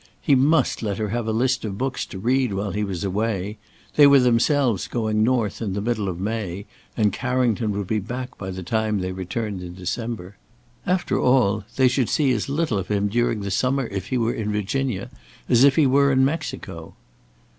He must let her have a list of books to read while he was away: they were themselves going north in the middle of May, and Carrington would be back by the time they returned in December. After all, they should see as little of him during the summer if he were in Virginia as if he were in Mexico.